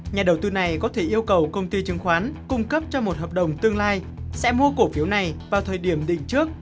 nhà đầu tư này có thể yêu cầu công ty chứng khoán cung cấp cho một hợp đồng tương lai sẽ mua cổ phiếu này vào thời điểm đỉnh trước